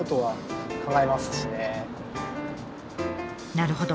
なるほど。